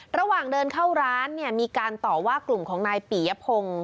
ระหว่างเดินเข้าร้านเนี่ยมีการต่อว่ากลุ่มของนายปียพงศ์